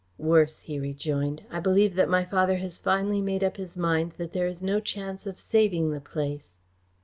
"Worse," he rejoined. "I believe that my father has finally made up his mind that there is no chance of saving the place."